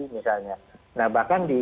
misalnya nah bahkan di